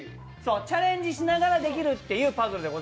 チャレンジしながらできるパズルです。